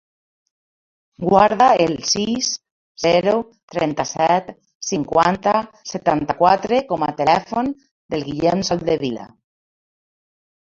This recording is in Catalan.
Guarda el sis, zero, trenta-set, cinquanta, setanta-quatre com a telèfon del Guillem Soldevilla.